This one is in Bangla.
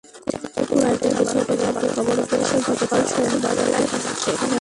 কুরাইশদের পিছু হঁটে যাবার খবর পেয়ে সে গতকাল সন্ধাবেলায় এখানে আসে।